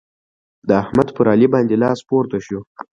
د احمد پر علي باندې لاس پورته شو.